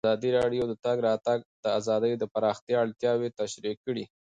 ازادي راډیو د د تګ راتګ ازادي د پراختیا اړتیاوې تشریح کړي.